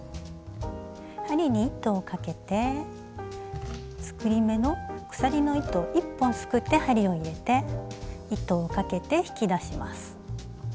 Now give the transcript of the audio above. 針に糸をかけて作り目の鎖の糸を一本すくって針を入れて糸をかけて引き出します。